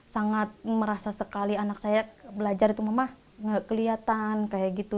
sangat merasa sekali anak saya belajar itu mama gak kelihatan kayak gitu